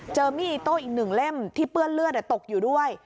เจอมีดโต๊ะอีกหนึ่งเล่มที่เปื้อนเลือดตกอยู่ด้วย